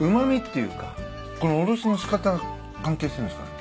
このおろしの仕方が関係してるんですかね？